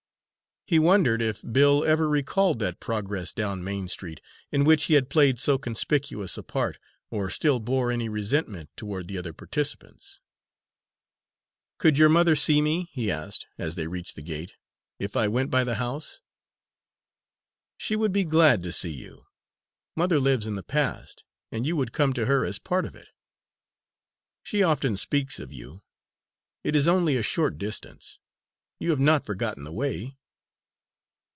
He wondered if Bill ever recalled that progress down Main Street in which he had played so conspicuous a part, or still bore any resentment toward the other participants? "Could your mother see me," he asked, as they reached the gate, "if I went by the house?" "She would be glad to see you. Mother lives in the past, and you would come to her as part of it. She often speaks of you. It is only a short distance. You have not forgotten the way?"